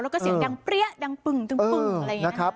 แล้วก็เสียงดังเปรี้ยดังปึ่งอะไรอย่างนี้นะครับ